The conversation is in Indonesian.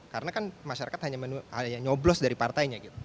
karena kan masyarakat hanya nyoblos dari partainya